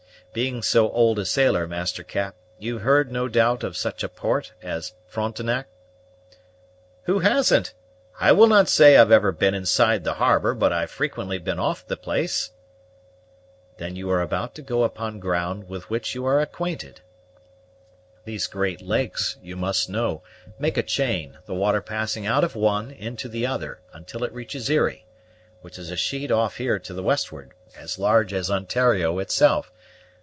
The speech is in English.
Being so old a sailor, Master Cap, you've heard, no doubt, of such a port as Frontenac?" "Who hasn't? I will not say I've ever been inside the harbor, but I've frequently been off the place." "Then you are about to go upon ground with which you are acquainted. These great lakes, you must know, make a chain, the water passing out of one into the other, until it reaches Erie, which is a sheet off here to the westward, as large as Ontario itself.